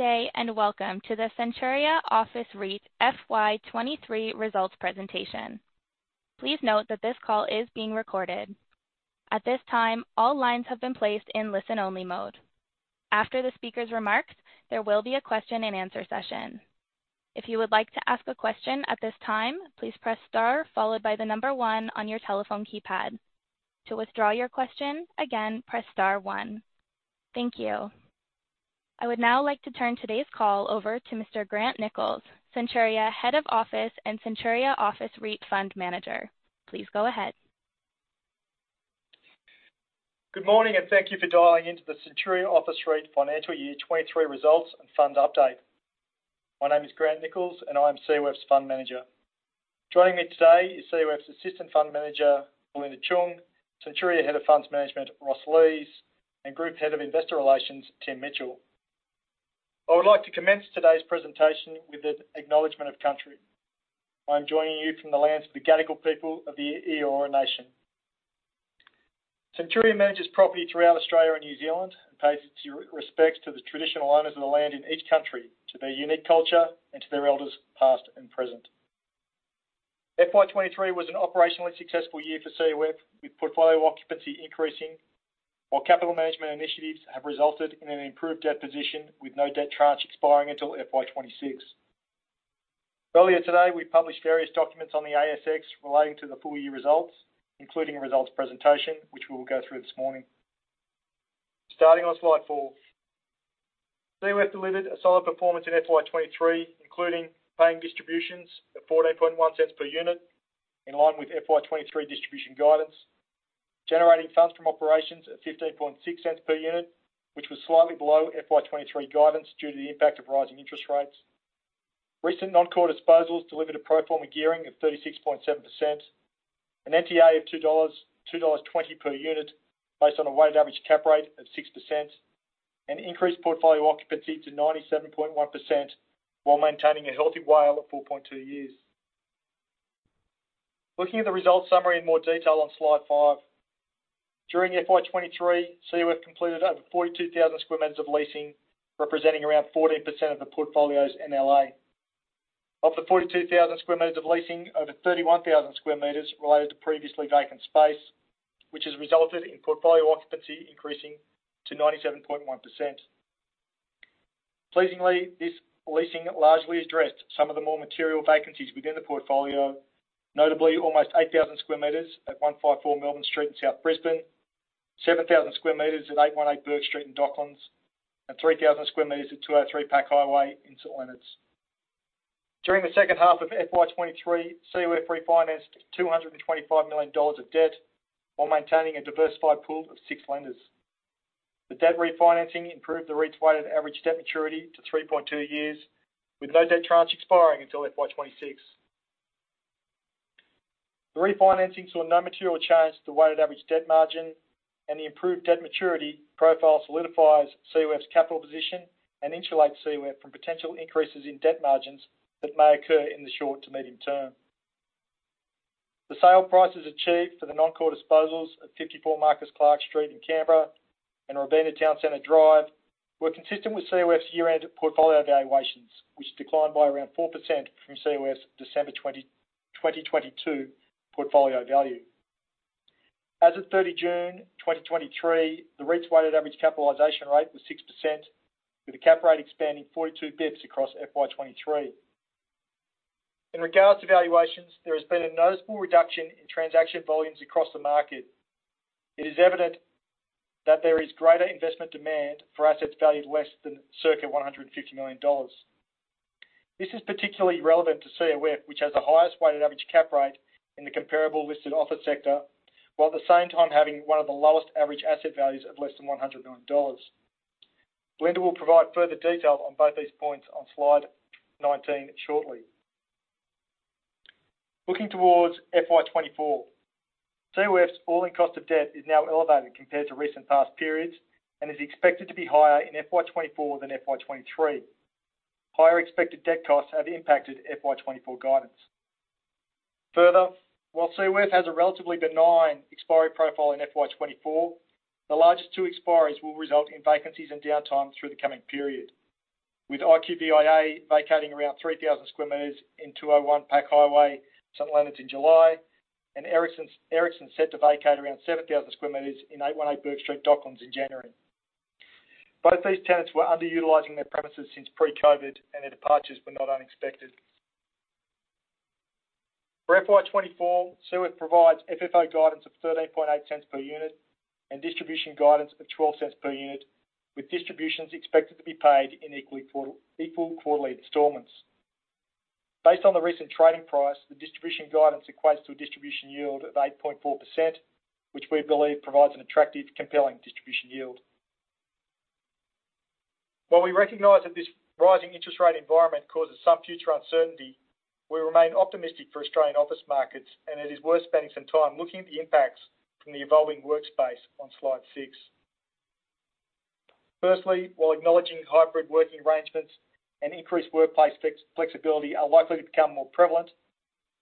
Good day, welcome to the Centuria Office REIT FY 2023 results presentation. Please note that this call is being recorded. At this time, all lines have been placed in listen-only mode. After the speaker's remarks, there will be a question and answer session. If you would like to ask a question at this time, please press Star, followed by the number 1 on your telephone keypad. To withdraw your question, again, press Star 1. Thank you. I would now like to turn today's call over to Mr. Grant Nichols, Centuria, Head of Office, and Centuria Office REIT Fund Manager. Please go ahead. Good morning, thank you for dialing into the Centuria Office REIT financial year 2023 results and fund update. My name is Grant Nichols, and I am COF's Fund Manager. Joining me today is COF's Assistant Fund Manager, Belinda Cheung, Centuria Head of Funds Management, Ross Lees, and Group Head of Investor Relations, Tim Mitchell. I would like to commence today's presentation with an acknowledgment of country. I'm joining you from the lands of the Gadigal people of the Eora Nation. Centuria manages property throughout Australia and New Zealand and pays its respects to the traditional owners of the land in each country, to their unique culture, and to their elders, past and present. FY 2023 was an operationally successful year for COF, with portfolio occupancy increasing, while capital management initiatives have resulted in an improved debt position with no debt tranche expiring until FY 2026. Earlier today, we published various documents on the ASX relating to the full year results, including a results presentation, which we will go through this morning. Starting on slide 4. COF delivered a solid performance in FY 2023, including paying distributions at 0.141 per unit, in line with FY 2023 distribution guidance, generating funds from operations at 0.156 per unit, which was slightly below FY 2023 guidance, due to the impact of rising interest rates. Recent non-core disposals delivered a pro forma gearing of 36.7%, an NTA of 2 dollars, 2.20 dollars per unit, based on a weighted average cap rate of 6%, and increased portfolio occupancy to 97.1%, while maintaining a healthy WALE at 4.2 years. Looking at the results summary in more detail on slide 5. During FY 2023, COF completed over 42,000 square meters of leasing, representing around 14% of the portfolio's NLA. Of the 42,000 square meters of leasing, over 31,000 square meters related to previously vacant space, which has resulted in portfolio occupancy increasing to 97.1%. Pleasingly, this leasing largely addressed some of the more material vacancies within the portfolio, notably almost 8,000 square meters at 154 Melbourne Street in South Brisbane, 7,000 square meters at 818 Bourke Street in Docklands, and 3,000 square meters at 203 Pacific Highway in St Leonards. During the second half of FY 2023, COF refinanced 225 million dollars of debt while maintaining a diversified pool of six lenders. The debt refinancing improved the REIT's weighted average debt maturity to 3.2 years, with no debt tranche expiring until FY 2026. The refinancing saw no material change to the weighted average debt margin, and the improved debt maturity profile solidifies COF's capital position and insulates COF from potential increases in debt margins that may occur in the short to medium term. The sale prices achieved for the non-core disposals at 54 Marcus Clarke Street in Canberra and Robina Town Centre Drive were consistent with COF's year-end portfolio valuations, which declined by around 4% from COF's December 20, 2022 portfolio value. As of June 30, 2023, the REIT's weighted average capitalization rate was 6%, with the cap rate expanding 42 basis points across FY 2023. In regards to valuations, there has been a noticeable reduction in transaction volumes across the market. It is evident that there is greater investment demand for assets valued less than circa 150 million dollars. This is particularly relevant to COF, which has the highest weighted average cap rate in the comparable listed office sector, while at the same time having one of the lowest average asset values of less than 100 million dollars. Belinda will provide further detail on both these points on slide 19 shortly. Looking towards FY 2024. COF's all-in cost of debt is now elevated compared to recent past periods and is expected to be higher in FY 2024 than FY 2023. Higher expected debt costs have impacted FY 2024 guidance. While COF has a relatively benign expiry profile in FY 2024, the largest two expiries will result in vacancies and downtime through the coming period, with IQVIA vacating around 3,000 square meters in 201 Pacific Highway, St Leonards in July, Ericsson set to vacate around 7,000 square meters in 818 Bourke Street, Docklands in January. Both these tenants were underutilizing their premises since pre-COVID, their departures were not unexpected. For FY 2024, COF provides FFO guidance of 0.138 per unit and distribution guidance of 0.12 per unit, with distributions expected to be paid in equally quarterly installments. Based on the recent trading price, the distribution guidance equates to a distribution yield of 8.4%, which we believe provides an attractive, compelling distribution yield. While we recognize that this rising interest rate environment causes some future uncertainty, we remain optimistic for Australian office markets. It is worth spending some time looking at the impacts from the evolving workspace on slide 6. Firstly, while acknowledging hybrid working arrangements and increased workplace flex, flexibility are likely to become more prevalent.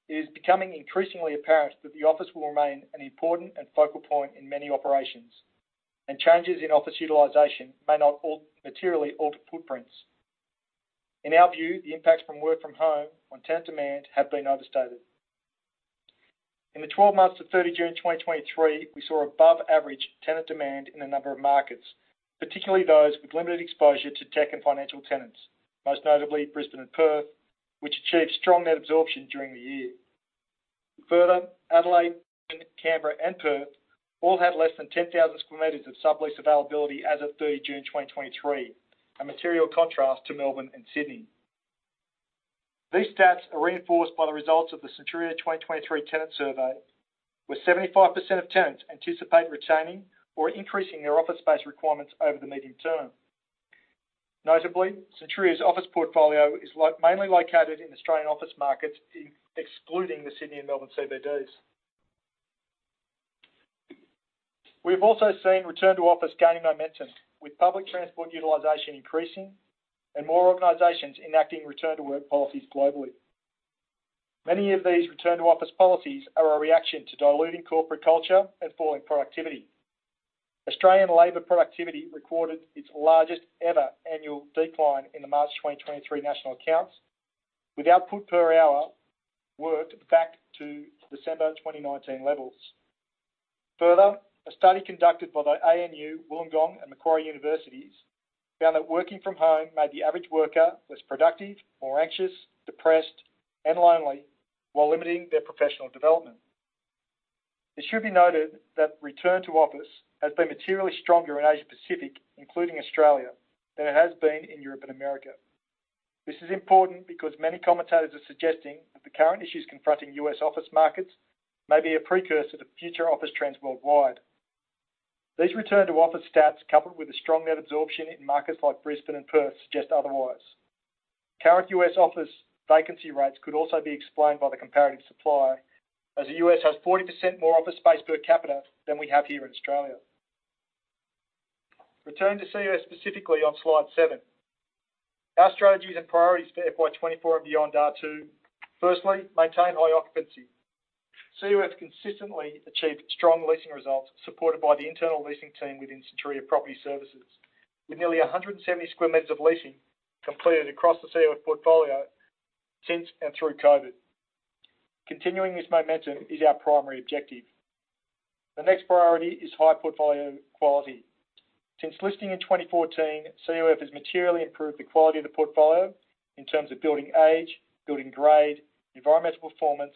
It is becoming increasingly apparent that the office will remain an important and focal point in many operations, and changes in office utilization may not materially alter footprints. In our view, the impacts from work from home on tenant demand have been overstated. In the 12 months to 30 June 2023, we saw above average tenant demand in a number of markets, particularly those with limited exposure to tech and financial tenants, most notably Brisbane and Perth, which achieved strong net absorption during the year. Adelaide, Canberra and Perth all had less than 10,000 square meters of sublease availability as of June 30, 2023, a material contrast to Melbourne and Sydney. These stats are reinforced by the results of the Centuria 2023 Office Tenant Survey, where 75% of tenants anticipate retaining or increasing their office space requirements over the medium term. Notably, Centuria's office portfolio is mainly located in Australian office markets, excluding the Sydney and Melbourne CBDs. We've also seen return to office gaining momentum, with public transport utilization increasing and more organizations enacting return to work policies globally. Many of these return to office policies are a reaction to diluting corporate culture and falling productivity. Australian labor productivity recorded its largest ever annual decline in the March 2023 national accounts, with output per hour worked back to December 2019 levels. Further, a study conducted by the ANU, Wollongong, and Macquarie University found that working from home made the average worker less productive, more anxious, depressed, and lonely, while limiting their professional development. It should be noted that return to office has been materially stronger in Asia Pacific, including Australia, than it has been in Europe and America. This is important because many commentators are suggesting that the current issues confronting U.S. office markets may be a precursor to future office trends worldwide. These return to office stats, coupled with a strong net absorption in markets like Brisbane and Perth, suggest otherwise. Current U.S. office vacancy rates could also be explained by the comparative supply, as the U.S. has 40% more office space per capita than we have here in Australia. Returning to COF specifically on slide 7. Our strategies and priorities for FY 2024 and beyond are to, firstly, maintain high occupancy. COF has consistently achieved strong leasing results, supported by the internal leasing team within Centuria Property Services, with nearly 170 square meters of leasing completed across the COF portfolio since and through COVID. Continuing this momentum is our primary objective. The next priority is high portfolio quality. Since listing in 2014, COF has materially improved the quality of the portfolio in terms of building age, building grade, environmental performance,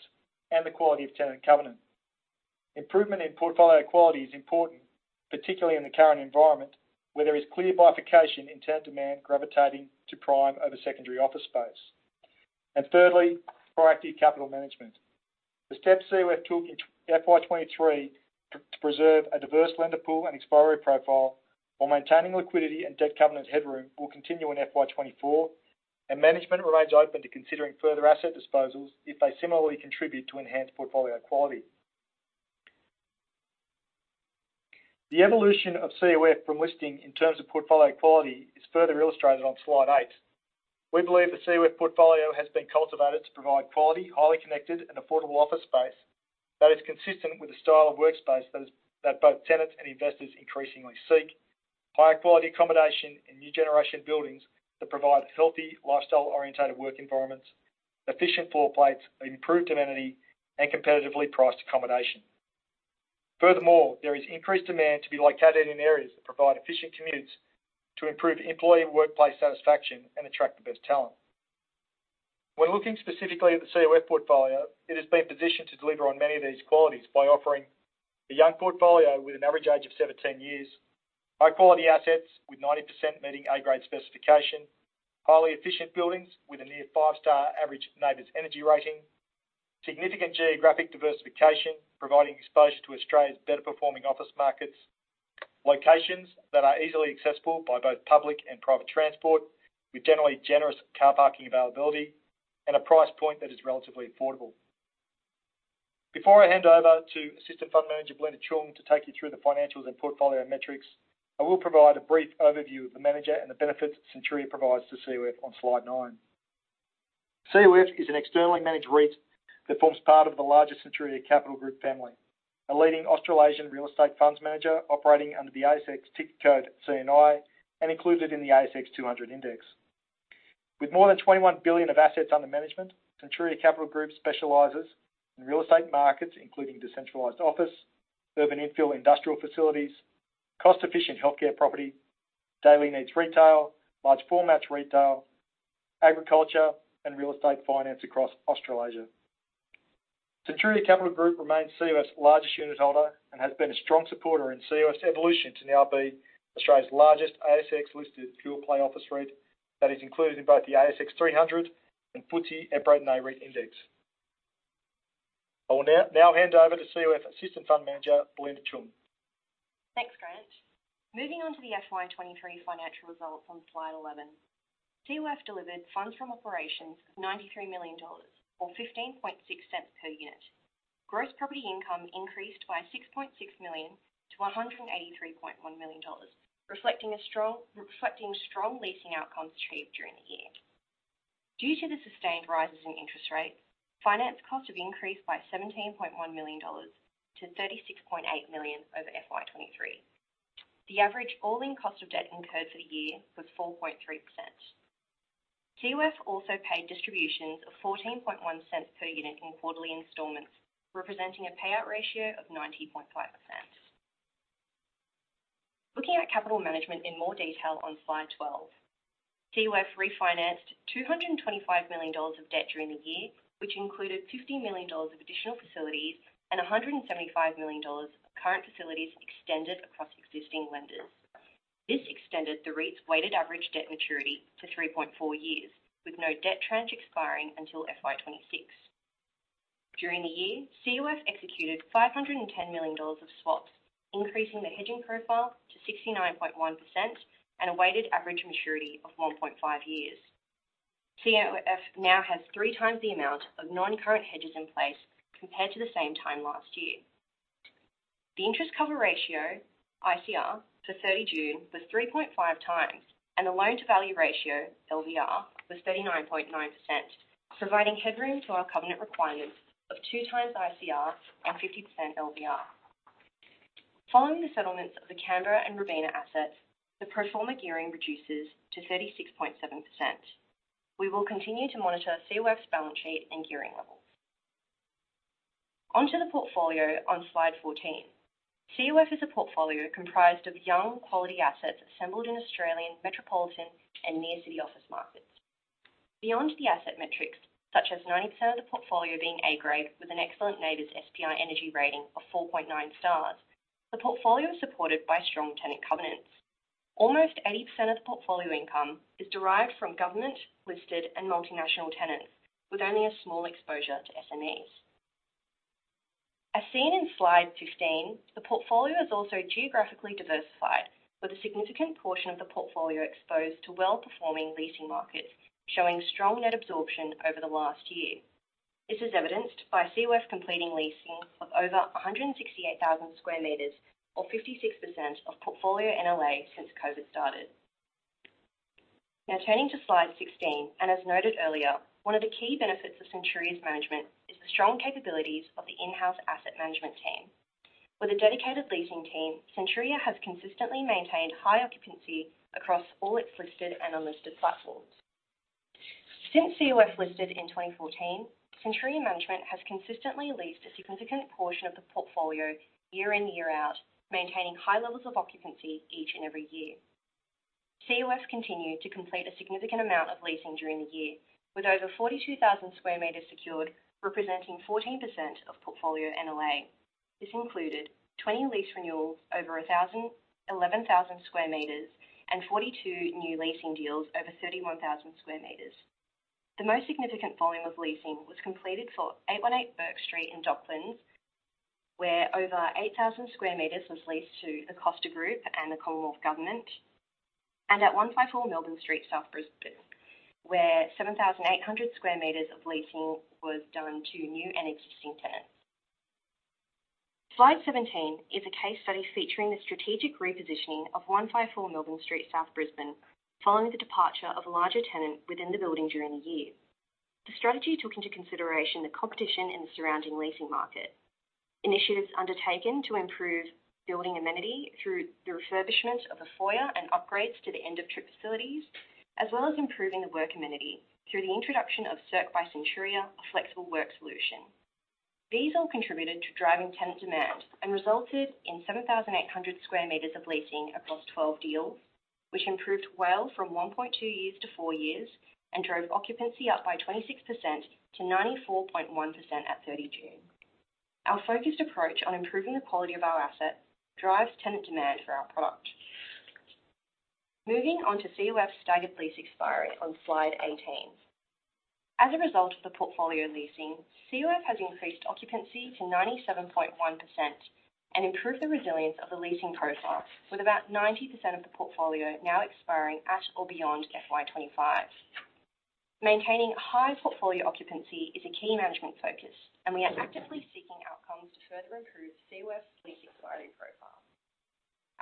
and the quality of tenant covenant. Improvement in portfolio quality is important, particularly in the current environment, where there is clear bifurcation in tenant demand gravitating to prime over secondary office space. Thirdly, proactive capital management. The steps COF took in FY 2023 to preserve a diverse lender pool and expiry profile while maintaining liquidity and debt covenant headroom will continue in FY 2024. Management remains open to considering further asset disposals if they similarly contribute to enhanced portfolio quality. The evolution of COF from listing in terms of portfolio quality is further illustrated on slide 8. We believe the COF portfolio has been cultivated to provide quality, highly connected, and affordable office space that is consistent with the style of workspace that both tenants and investors increasingly seek. Higher quality accommodation and new generation buildings that provide healthy, lifestyle-orientated work environments, efficient floor plates, improved amenity, and competitively priced accommodation. Furthermore, there is increased demand to be located in areas that provide efficient commutes to improve employee workplace satisfaction and attract the best talent. When looking specifically at the COF portfolio, it has been positioned to deliver on many of these qualities by offering a young portfolio with an average age of 17 years, high-quality assets with 90% meeting A-grade specification, highly efficient buildings with a near 5-star average NABERS energy rating, significant geographic diversification, providing exposure to Australia's better-performing office markets, locations that are easily accessible by both public and private transport, with generally generous car parking availability, and a price point that is relatively affordable. Before I hand over to Assistant Fund Manager, Belinda Cheung, to take you through the financials and portfolio metrics, I will provide a brief overview of the manager and the benefits Centuria provides to COF on slide 9. COF is an externally managed REIT that forms part of the larger Centuria Capital Group family, a leading Australasian real estate funds manager operating under the ASX ticker code CNI, and included in the ASX 200 index. With more than 21 billion of assets under management, Centuria Capital Group specializes in real estate markets, including decentralized office, urban infill industrial facilities, cost-efficient healthcare property, daily needs retail, large format retail, agriculture, and real estate finance across Australasia. Centuria Capital Group remains COF's largest unit holder and has been a strong supporter in COF's evolution to now be Australia's largest ASX-listed pure play office REIT that is included in both the ASX 300 and FTSE EPRA Nareit index. I will now hand over to COF Assistant Fund Manager, Belinda Cheung. Thanks, Grant. Moving on to the FY 2023 financial results on Slide 11. COF delivered funds from operations of 93 million dollars, or 0.156 per unit. Gross property income increased by 6.6 million to 183.1 million dollars, reflecting strong leasing outcomes achieved during the year. Due to the sustained rises in interest rates, finance costs have increased by 17.1 million dollars to 36.8 million over FY 2023. The average all-in cost of debt incurred for the year was 4.3%. COF also paid distributions of 0.141 per unit in quarterly installments, representing a payout ratio of 90.5%. Looking at capital management in more detail on Slide 12. COF refinanced 225 million dollars of debt during the year, which included 50 million dollars of additional facilities and 175 million dollars of current facilities extended across existing lenders. This extended the REIT's weighted average debt maturity to 3.4 years, with no debt tranche expiring until FY 2026. During the year, COF executed 510 million dollars of swaps, increasing the hedging profile to 69.1% and a weighted average maturity of 1.5 years. COF now has 3 times the amount of non-current hedges in place compared to the same time last year. The interest cover ratio, ICR, for 30 June was 3.5 times, and the loan-to-value ratio, LVR, was 39.9%, providing headroom to our covenant requirements of 2 times ICR and 50% LVR. Following the settlements of the Canberra and Robina assets, the pro forma gearing reduces to 36.7%. We will continue to monitor COF's balance sheet and gearing levels. Onto the portfolio on Slide 14. COF is a portfolio comprised of young, quality assets assembled in Australian metropolitan and near city office markets. Beyond the asset metrics, such as 90% of the portfolio being Grade A with an excellent NABERS SPI energy rating of 4.9 stars, the portfolio is supported by strong tenant covenants. Almost 80% of the portfolio income is derived from government, listed, and multinational tenants, with only a small exposure to SMEs. As seen in Slide 15, the portfolio is also geographically diversified, with a significant portion of the portfolio exposed to well-performing leasing markets, showing strong net absorption over the last 1 year. This is evidenced by COF completing leasing of over 168,000 square meters, or 56% of portfolio NLA since COVID started. Turning to Slide 16, as noted earlier, one of the key benefits of Centuria's management is the strong capabilities of the in-house asset management team. With a dedicated leasing team, Centuria has consistently maintained high occupancy across all its listed and unlisted platforms. Since COF listed in 2014, Centuria Management has consistently leased a significant portion of the portfolio year in, year out, maintaining high levels of occupancy each and every year. COF continued to complete a significant amount of leasing during the year, with over 42,000 square meters secured, representing 14% of portfolio NLA. This included 20 lease renewals over 11,000 square meters and 42 new leasing deals over 31,000 square meters. The most significant volume of leasing was completed for 818 Bourke Street in Docklands, where over 8,000 square meters was leased to the Costa Group and the Commonwealth Government, and at 154 Melbourne Street, South Brisbane, where 7,800 square meters of leasing was done to new and existing tenants. Slide 17 is a case study featuring the strategic repositioning of 154 Melbourne Street, South Brisbane, following the departure of a larger tenant within the building during the year. The strategy took into consideration the competition in the surrounding leasing market. Initiatives undertaken to improve building amenity through the refurbishment of a foyer and upgrades to the end-of-trip facilities, as well as improving the work amenity through the introduction of cirque by Centuria, a flexible work solution. These all contributed to driving tenant demand and resulted in 7,800 square meters of leasing across 12 deals, which improved WALE from 1.2 years to four years and drove occupancy up by 26% to 94.1% at 30 June. Our focused approach on improving the quality of our asset drives tenant demand for our product. Moving on to COF's staggered lease expiry on Slide 18. As a result of the portfolio leasing, COF has increased occupancy to 97.1% and improved the resilience of the leasing profile, with about 90% of the portfolio now expiring at or beyond FY 2025. Maintaining high portfolio occupancy is a key management focus. We are actively seeking outcomes to further improve COF's lease expiry profile.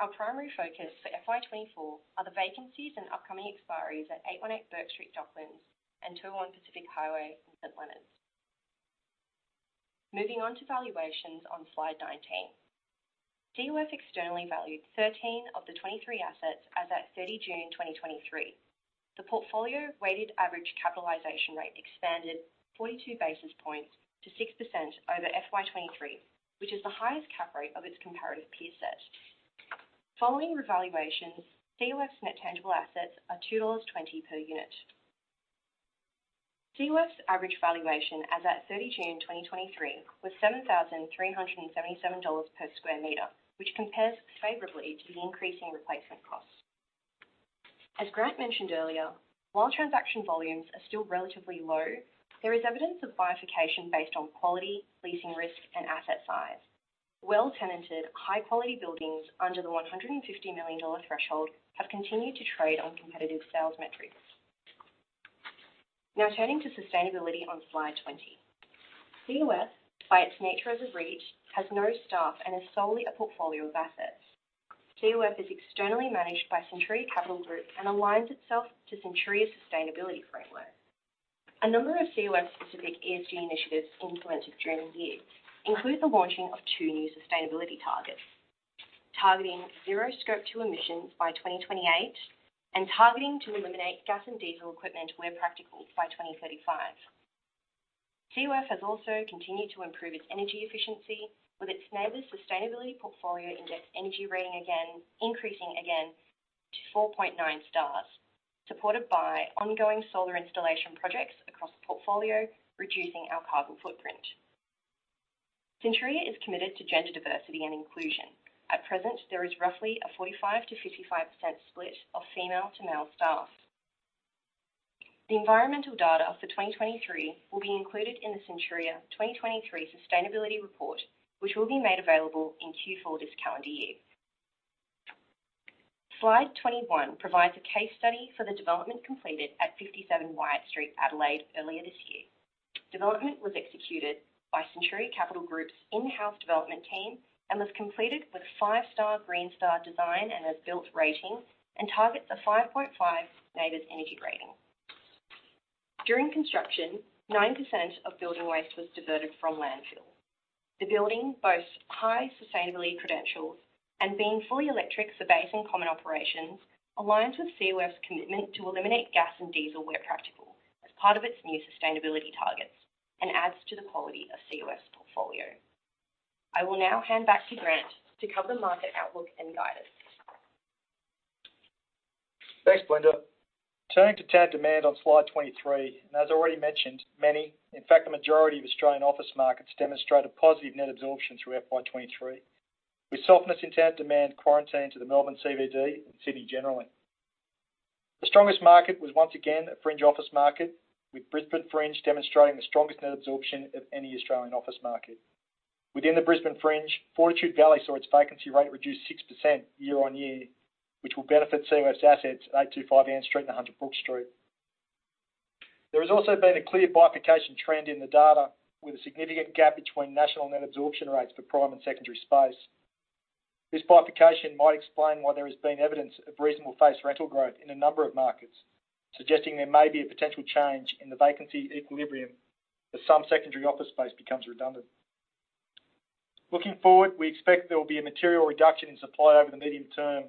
Our primary focus for FY 2024 are the vacancies and upcoming expiries at 818 Bourke Street, Docklands, and 201 Pacific Highway in St Leonards. Moving on to valuations on Slide 19. COF externally valued 13 of the 23 assets as at June 30, 2023. The portfolio weighted average capitalization rate expanded 42 basis points to 6% over FY 2023, which is the highest cap rate of its comparative peer set. Following revaluations, COF's net tangible assets are 2.20 dollars per unit. COF's average valuation as at June 30, 2023 was 7,377 dollars per square meter, which compares favorably to the increasing replacement costs. As Grant mentioned earlier, while transaction volumes are still relatively low, there is evidence of bifurcation based on quality, leasing risk, and asset size. Well-tenanted, high-quality buildings under the 150 million dollar threshold have continued to trade on competitive sales metrics. Turning to sustainability on slide 20. COF, by its nature as a REIT, has no staff and is solely a portfolio of assets. COF is externally managed by Centuria Capital Group and aligns itself to Centuria's sustainability framework. A number of COF specific ESG initiatives implemented during the year include the launching of two new sustainability targets: targeting zero Scope 2 emissions by 2028, and targeting to eliminate gas and diesel equipment where practical by 2035. COF has also continued to improve its energy efficiency, with its NABERS Sustainable Portfolios Index energy rating again, increasing again to 4.9 stars, supported by ongoing solar installation projects across the portfolio, reducing our carbon footprint. Centuria is committed to gender diversity and inclusion. At present, there is roughly a 45%-55% split of female to male staff. The environmental data for 2023 will be included in the Centuria 2023 Sustainability Report, which will be made available in Q4 this calendar year. Slide 21 provides a case study for the development completed at 57 Wyatt Street, Adelaide, earlier this year. Development was executed by Centuria Capital Group's in-house development team and was completed with 5-star Green Star Design & As Built rating and targets a 5.5 NABERS energy rating. During construction, 9% of building waste was diverted from landfill. The building boasts high sustainability credentials, and being fully electric for base and common operations, aligns with COF's commitment to eliminate gas and diesel where practical, as part of its new sustainability targets and adds to the quality of COF's portfolio. I will now hand back to Grant to cover market outlook and guidance. Thanks, Belinda. Turning to tenant demand on slide 23, as already mentioned, many, in fact, the majority of Australian office markets demonstrate a positive net absorption through FY 2023, with softness in tenant demand quarantined to the Melbourne CBD and Sydney generally. The strongest market was once again a fringe office market, with Brisbane Fringe demonstrating the strongest net absorption of any Australian office market. Within the Brisbane Fringe, Fortitude Valley saw its vacancy rate reduce 6% year-on-year, which will benefit COF's assets at 825 Ann Street and 100 Brookes Street. There has also been a clear bifurcation trend in the data, with a significant gap between national net absorption rates for prime and secondary space. This bifurcation might explain why there has been evidence of reasonable face rental growth in a number of markets, suggesting there may be a potential change in the vacancy equilibrium as some secondary office space becomes redundant. Looking forward, we expect there will be a material reduction in supply over the medium term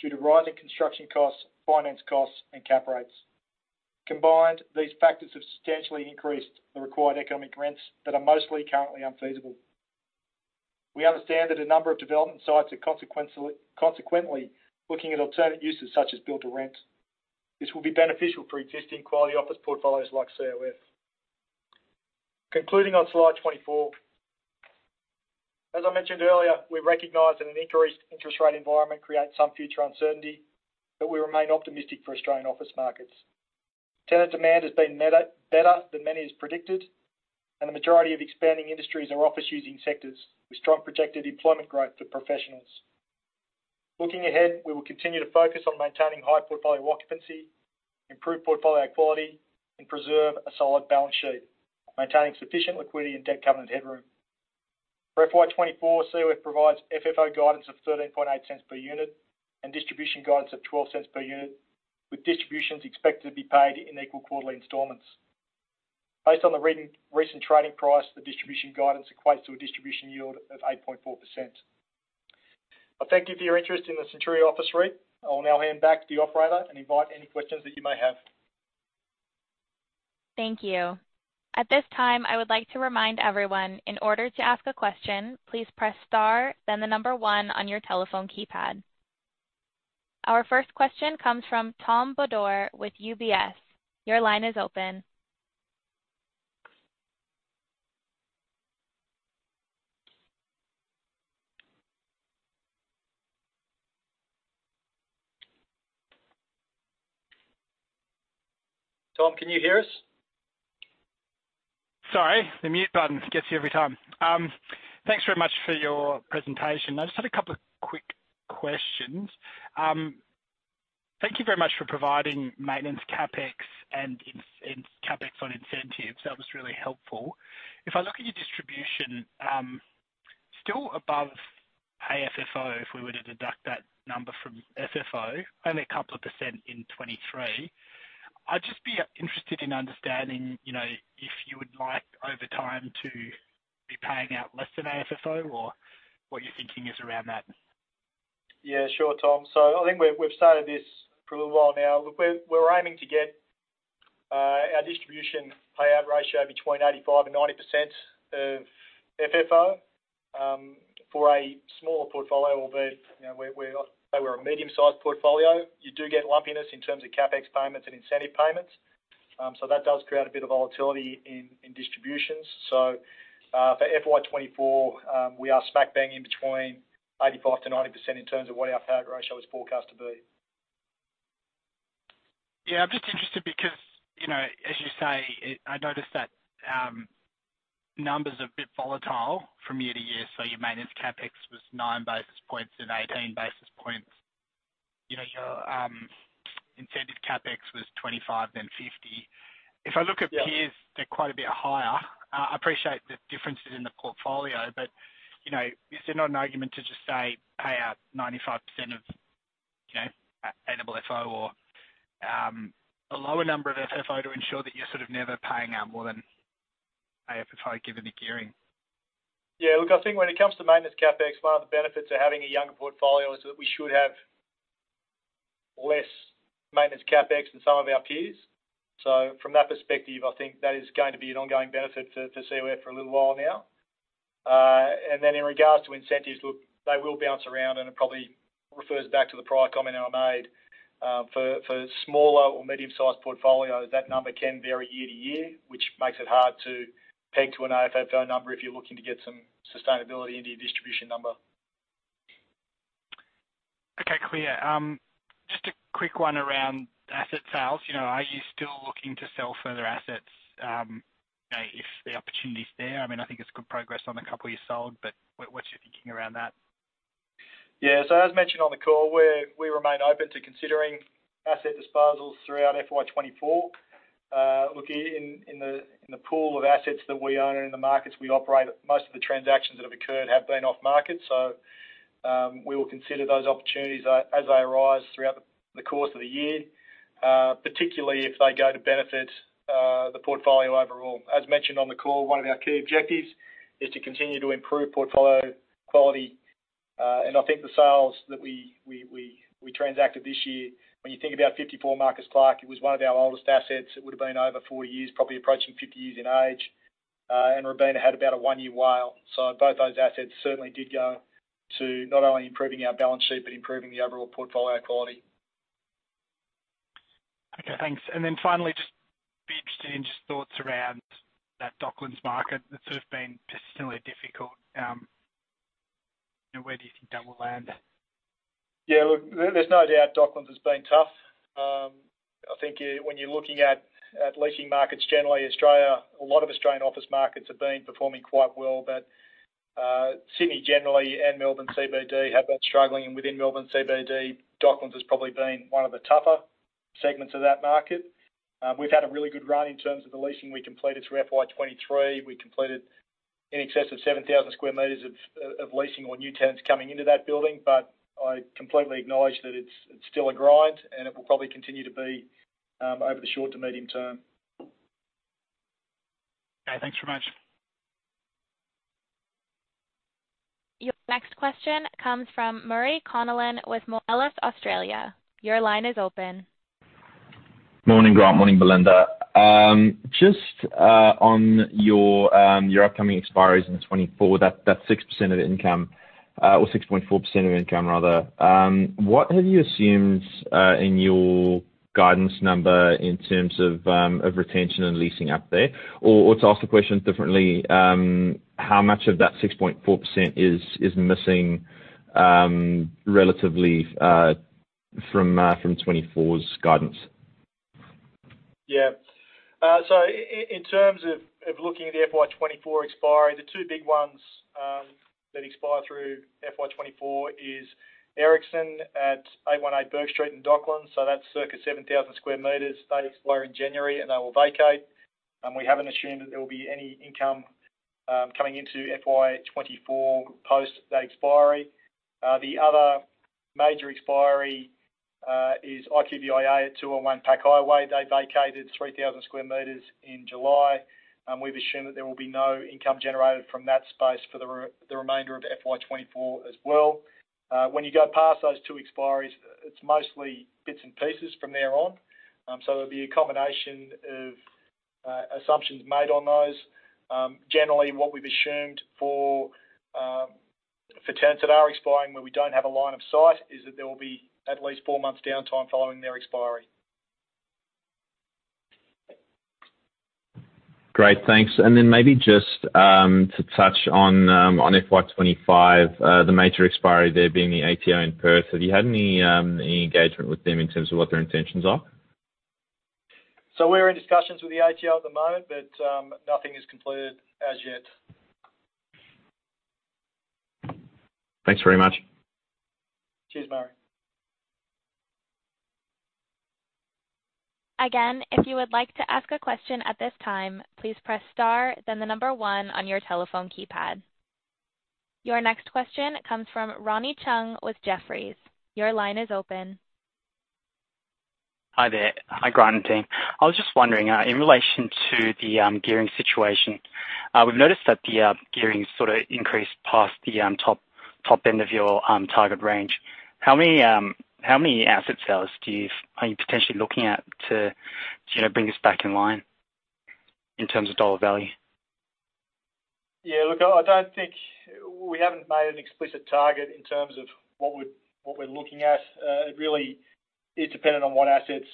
due to rising construction costs, finance costs and CapEx. Combined, these factors have substantially increased the required economic rents that are mostly currently unfeasible. We understand that a number of development sites are consequently looking at alternate uses, such as Build-to-Rent. This will be beneficial for existing quality office portfolios like COF. Concluding on slide 24. As I mentioned earlier, we recognize that an increased interest rate environment creates some future uncertainty, but we remain optimistic for Australian office markets. Tenant demand has been better than many has predicted, and the majority of expanding industries are office using sectors, with strong projected employment growth for professionals. Looking ahead, we will continue to focus on maintaining high portfolio occupancy, improve portfolio quality, and preserve a solid balance sheet, maintaining sufficient liquidity and debt covenant headroom. For FY 2024, COF provides FFO guidance of 0.138 per unit and distribution guidance of 0.12 per unit, with distributions expected to be paid in equal quarterly installments. Based on the recent trading price, the distribution guidance equates to a distribution yield of 8.4%. Thank you for your interest in the Centuria Office REIT. I will now hand back to the operator and invite any questions that you may have. Thank you. At this time, I would like to remind everyone, in order to ask a question, please press Star, then the 1 on your telephone keypad. Our first question comes from Tom Bodor with UBS. Your line is open. Tom, can you hear us? Sorry, the mute button gets you every time. Thanks very much for your presentation. I just had a couple of quick questions. Thank you very much for providing maintenance, CapEx, and CapEx on incentives. That was really helpful. If I look at your distribution, still above AFFO, if we were to deduct that number from FFO, only a couple of % in 23. I'd just be interested in understanding, you know, if you would like, over time, to be paying out less than AFFO or what your thinking is around that? Yeah, sure, Tom. I think we've, we've started this for a little while now. We're, we're aiming to get our distribution payout ratio between 85% and 90% of FFO for a smaller portfolio. Albeit, you know, we're, we're a medium-sized portfolio. You do get lumpiness in terms of CapEx payments and incentive payments. That does create a bit of volatility in, in distributions. For FY 2024, we are smack bang in between 85%-90% in terms of what our payout ratio is forecast to be. Yeah, I'm just interested because, you know, as you say, I noticed that numbers are a bit volatile from year to year, so your maintenance CapEx was 9 basis points and 18 basis points. You know, your incentive CapEx was 25, then 50. If I look at peers, they're quite a bit higher. I appreciate the differences in the portfolio, but, you know, is there not an argument to just say, pay out 95% of, you know, AFFO or a lower number of FFO to ensure that you're sort of never paying out more than AFFO, given the gearing? Yeah, look, I think when it comes to maintenance CapEx, one of the benefits of having a younger portfolio is that we should have less maintenance CapEx than some of our peers. From that perspective, I think that is going to be an ongoing benefit to, to COF for a little while now. Then in regards to incentives, look, they will bounce around, and it probably refers back to the prior comment I made. For, for smaller or medium-sized portfolios, that number can vary year to year, which makes it hard to peg to an AFFO number if you're looking to get some sustainability into your distribution number. Okay, clear. Just a quick one around asset sales. You know, are you still looking to sell further assets, if the opportunity is there? I mean, I think it's good progress on the couple you sold, but what, what's your thinking around that? As mentioned on the call, we remain open to considering asset disposals throughout FY 2024. Look, in the pool of assets that we own, in the markets we operate, most of the transactions that have occurred have been off-market. We will consider those opportunities as they arise throughout the course of the year, particularly if they go to benefit the portfolio overall. As mentioned on the call, one of our key objectives is to continue to improve portfolio quality. I think the sales that we transacted this year, when you think about 54 Marcus Clarke Street, it was one of our oldest assets. It would have been over 40 years, probably approaching 50 years in age. Robina had about a 1-year WALE. Both those assets certainly did go to not only improving our balance sheet, but improving the overall portfolio quality. Okay, thanks. Then finally, just be interested in just thoughts around that Docklands market. That's sort of been persistently difficult. Where do you think that will land? Yeah, look, there's no doubt Docklands has been tough. I think when you're looking at, at leasing markets, generally, Australia, a lot of Australian office markets have been performing quite well. Sydney generally and Melbourne CBD have been struggling, and within Melbourne CBD, Docklands has probably been one of the tougher segments of that market. We've had a really good run in terms of the leasing we completed through FY 2023. We completed in excess of 7,000 square meters of, of leasing or new tenants coming into that building. I completely acknowledge that it's, it's still a grind, and it will probably continue to be over the short to medium term. Okay, thanks very much. Your next question comes from Murray Connellan with Moelis Australia. Your line is open. Morning, Grant Nichols. Morning, Belinda Cheung. Just on your your upcoming expiries in 2024, that's, that's 6% of the income, or 6.4% of income rather. What have you assumed in your guidance number in terms of of retention and leasing up there? To ask the question differently, how much of that 6.4% is, is missing, relatively, from 2024's guidance? Yeah. In terms of looking at the FY 2024 expiry, the two big ones that expire through FY 2024 is Ericsson at 818 Bourke Street in Docklands. That's circa 7,000 square meters. They expire in January, and they will vacate. We haven't assumed that there will be any income coming into FY 2024 post the expiry. The other major expiry is IQVIA at 21 Pacific Highway. They vacated 3,000 square meters in July, and we've assumed that there will be no income generated from that space for the remainder of FY 2024 as well. When you go past those two expiries, it's mostly bits and pieces from there on. It'll be a combination of assumptions made on those. Generally, what we've assumed for, for tenants that are expiring, where we don't have a line of sight, is that there will be at least four months downtime following their expiry. Great, thanks. Maybe just to touch on on FY 25, the major expiry there being the ATO in Perth. Have you had any any engagement with them in terms of what their intentions are? We're in discussions with the ATO at the moment, but nothing is concluded as yet. Thanks very much. Cheers, Murray. Again, if you would like to ask a question at this time, please press star, then the number 1 on your telephone keypad. Your next question comes from Ryan Chung with Jefferies. Your line is open. Hi there. Hi, Grant and team. I was just wondering, in relation to the gearing situation, we've noticed that the gearing sort of increased past the top, top end of your target range. How many how many asset sales are you potentially looking at to, to, you know, bring us back in line in terms of dollar value? Yeah, look, I, I don't think... We haven't made an explicit target in terms of what we're, what we're looking at. It really is dependent on what assets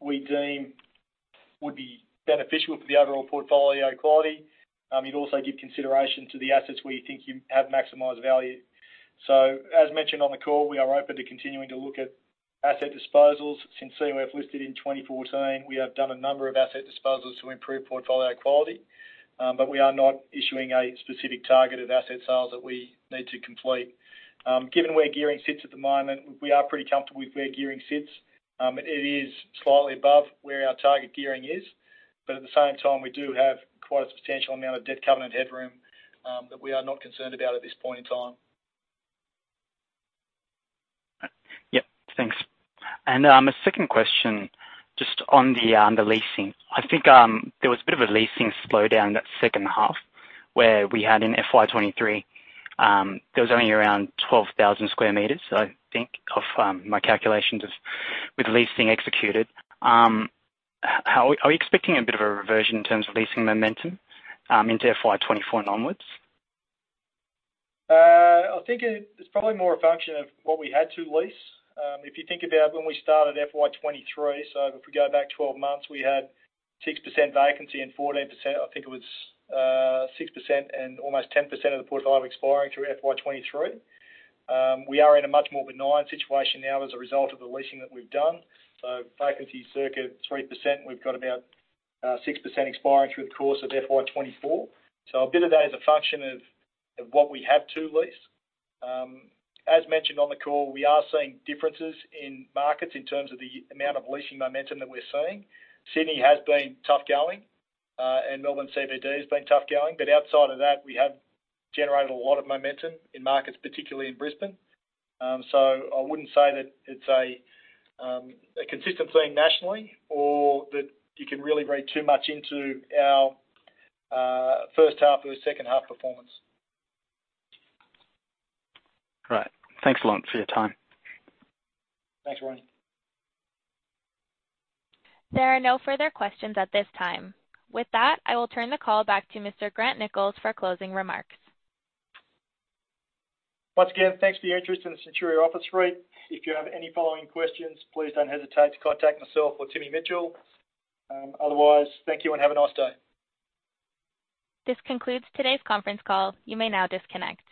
we deem would be beneficial for the overall portfolio quality. You'd also give consideration to the assets where you think you have maximized value. As mentioned on the call, we are open to continuing to look at asset disposals, since we have listed in 2014, we have done a number of asset disposals to improve portfolio quality. We are not issuing a specific target of asset sales that we need to complete. Given where gearing sits at the moment, we are pretty comfortable with where gearing sits. It is slightly above where our target gearing is, but at the same time, we do have quite a substantial amount of debt covenant headroom, that we are not concerned about at this point in time. Yep. Thanks. A second question, just on the leasing. I think, there was a bit of a leasing slowdown that second half, where we had in FY 2023, there was only around 12,000 square meters. I think of, my calculations of with leasing executed. Are you expecting a bit of a reversion in terms of leasing momentum, into FY 2024 and onwards? I think it, it's probably more a function of what we had to lease. If you think about when we started FY 2023, if we go back 12 months, we had 6% vacancy and 14%, I think it was, 6% and almost 10% of the portfolio expiring through FY 2023. We are in a much more benign situation now as a result of the leasing that we've done. Vacancy circuit, 3%, we've got about 6% expiring through the course of FY 2024. A bit of that is a function of, of what we have to lease. As mentioned on the call, we are seeing differences in markets in terms of the amount of leasing momentum that we're seeing. Sydney has been tough going, Melbourne CBD has been tough going, but outside of that, we have generated a lot of momentum in markets, particularly in Brisbane. I wouldn't say that it's a consistent thing nationally or that you can really read too much into our first half or second half performance. Great. Thanks a lot for your time. Thanks, Ryan. There are no further questions at this time. With that, I will turn the call back to Mr. Grant Nichols for closing remarks. Once again, thanks for your interest in Centuria Office REIT. If you have any following questions, please don't hesitate to contact myself or Tim Mitchell. Otherwise, thank you and have a nice day. This concludes today's conference call. You may now disconnect.